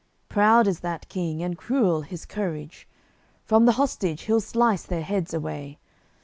Proud is that King, and cruel his courage; From th' hostage he'll slice their heads away.